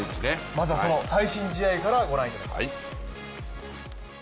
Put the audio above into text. まずはその最新試合からご覧いただきます。